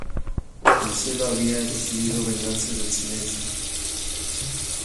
El cielo había decidido vengarse del silencio.